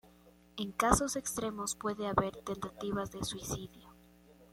En casos extremos puede haber tentativas de suicidio.